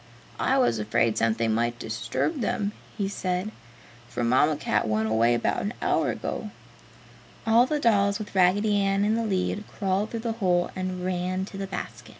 "I was afraid something might disturb them," he said, "for Mamma Cat went away about an hour ago." All the dolls, with Raggedy Ann in the lead, crawled through the hole and ran to the basket.